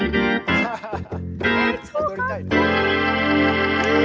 ハハハハ！